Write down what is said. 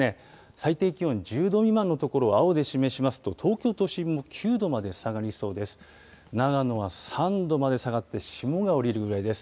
最低気温１０度未満の所を青で示しますと、東京都心９度まで下がりそうです。